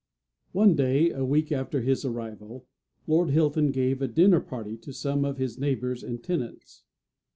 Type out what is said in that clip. One day, a week after his arrival, Lord Hilton gave a dinner party to some of his neighbours and tenants.